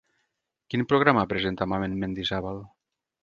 Quin programa presenta Mamen Mendizábal?